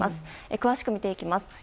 詳しく見ていきます。